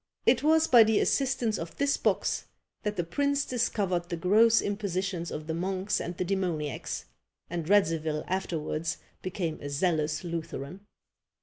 It was by the assistance of this box that the prince discovered the gross impositions of the monks and the demoniacs, and Radzivil afterwards became a zealous Lutheran.